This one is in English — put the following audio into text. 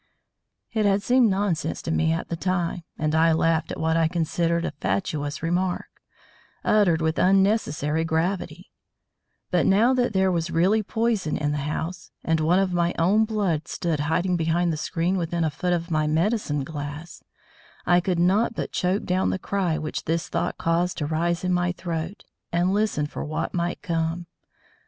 It had seemed nonsense to me at the time, and I laughed at what I considered a fatuous remark, uttered with unnecessary gravity; but now that there was really poison in the house, and one of my own blood stood hiding behind the screen within a foot of my medicine glass, I could not but choke down the cry which this thought caused to rise in my throat and listen for what might come.